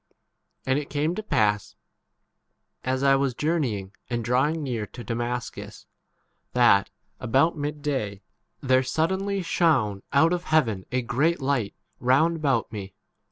And it came to pass, 1 as I was journey ing and drawing near to Damascus, that, about mid day, there sud denly shone out of heaven a great 7 light round about me.